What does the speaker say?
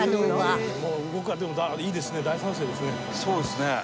伊達：そうですね。